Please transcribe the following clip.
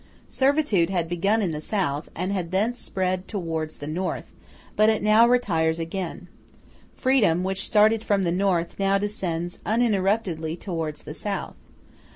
Servitude had begun in the South, and had thence spread towards the North; but it now retires again. Freedom, which started from the North, now descends uninterruptedly towards the South.